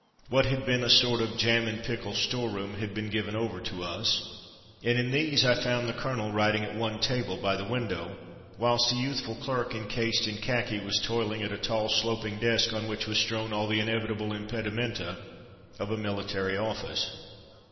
What had been a sort of jam and pickle storeroom had been given over to us, and in these I found the colonel writing at one table by the window, whilst a youthful clerk encased in khaki was toiling at a tall sloping desk on which was strewn all the inevitable impedimenta of a military office.